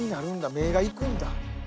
目が行くんだ。